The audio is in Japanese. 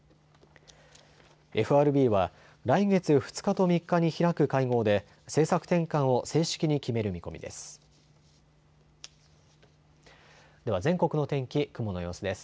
ＦＲＢは来月２日と３日に開く会合で政策転換を正式に決める見込みです。